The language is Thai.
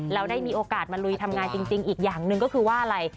แล้วได้มีโอกาสมาลุยทำงานจริงอีกอย่างหนึ่งก็คือว่าอะไร